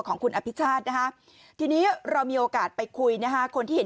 ของคุณอภิชาตินะฮะทีนี้เรามีโอกาสไปคุยนะฮะคนที่เห็น